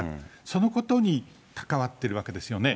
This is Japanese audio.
そのことに関わっているわけですよね。